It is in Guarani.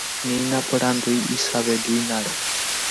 ni naporandúi Isabellina-re